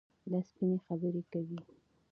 دا سپيني خبري کوي.